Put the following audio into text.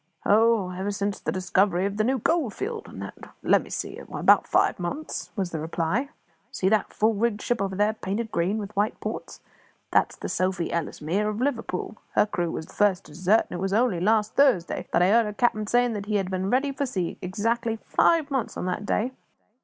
"Oh, ever since the discovery of the new gold field; and that's let me see why, about five months," was the reply. "See that full rigged ship over there painted green, with white ports that's the Sophie Ellesmere, of Liverpool. Her crew was the first to desert; and it was only last Thursday that I heard her cap'n saying that he had been ready for sea exactly five months on that day.